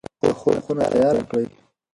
د خوب خونه تیاره کړئ.